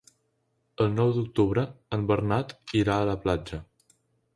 El nou d'octubre en Bernat irà a la platja.